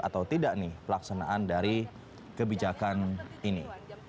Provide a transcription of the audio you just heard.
atau tidak nih pelaksanaan dari kebijakan ini